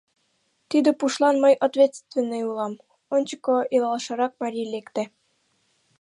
— Тиде пушлан мый ответственный улам, — ончыко илалшырак марий лекте.